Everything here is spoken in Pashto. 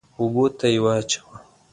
اوبو ته يې واچوه.